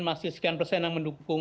masih sekian persen yang mendukung